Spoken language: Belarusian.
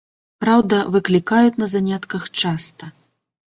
Праўда, выклікаюць на занятках часта.